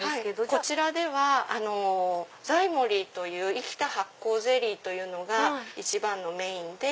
こちらではＺｙｍｏｌｌｙという生きた発酵ゼリーというのが一番のメインで。